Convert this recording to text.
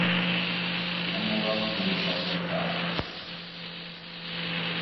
Hamburger Filmschau bekam.